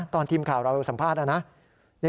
ตอนทีมข่าวเราสัมภาษณ์นะ